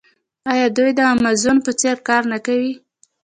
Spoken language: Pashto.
آیا دوی د امازون په څیر کار نه کوي؟